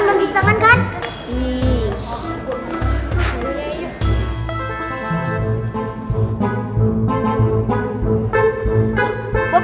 kasiah ah awalnya